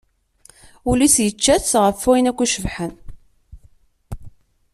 Ul-is yeččat ɣef wayen akk icebḥen.